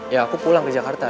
ya aku pulang ke jakarta